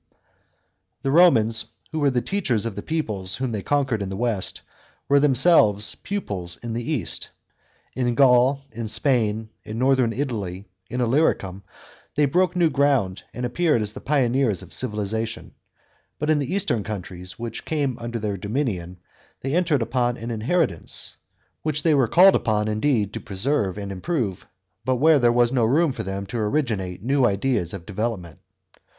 § 1. THE Romans, who were the teachers of the peoples whom they conquered in the West, were themselves pupils in the East. In Gaul, in Spain, in northern Italy, in Illyricum th^y b'oke new ground and appeared as the pioneers of civilisation; hut in the eastern countries which came under their dominion they entered upon an inheritance, which they were called upon indeed to THE EASTERN PROVINCE \ sri I O «(ta%M^f A I C A lf> A««P* 27 B.C. U A.D. MACEDONIA. 103 preserve and improve, but where there was no room for them to originate new ideas of development.